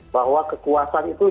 bahwa kekuasaan itu